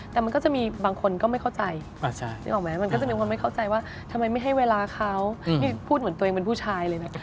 แต่มันก็จะมีบางคนก็ไม่เข้าใจนึกออกไหมมันก็จะมีคนไม่เข้าใจว่าทำไมไม่ให้เวลาเขาพูดเหมือนตัวเองเป็นผู้ชายเลยนะ